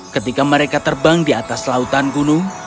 ketika mereka terbang di atas lautan gunung